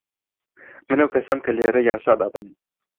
من ئەو کەسەم کە لێرە یاسا دادەنێم.